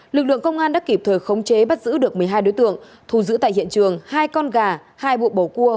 lực lượng công an đã kịp thời khống chế bắt giữ được một mươi hai đối tượng thù giữ tại hiện trường hai con gà hai bộ bầu cua